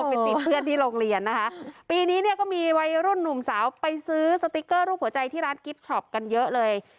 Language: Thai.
ไปติดเพื่อนที่โรงเรียนนะคะปีนี้เนี่ยก็มีวัยรุ่นหนุ่มสาวไปซื้อสติ๊กเกอร์รูปหัวใจที่ร้านกิฟต์ช็อปกันเยอะเลย